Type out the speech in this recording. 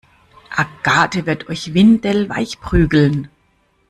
Agathe wird euch windelweich prügeln!